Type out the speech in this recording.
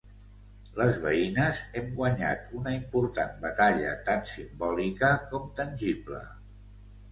Les veïnes hem guanyat una important batalla tant simbòlica com tangible.